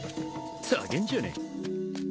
ざけんじゃねえ。